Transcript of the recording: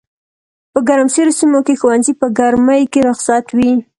په ګرمسېرو سيمو کښي ښوونځي په ګرمۍ کي رخصت وي